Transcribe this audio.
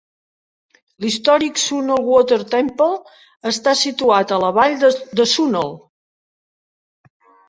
L'històric Sunol Water Temple està situat a la vall de Sunol.